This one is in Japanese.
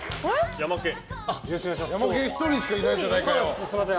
ヤマケン１人しかいないじゃないかよ！